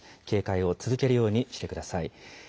警戒を続けるようにしてください。